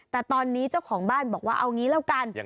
แต่ตอนนี้เจ้าของบ้านบอกว่าเอางี้แล้วกัน